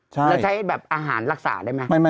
แล้วใช้แบบอาหารรักษาได้ไหม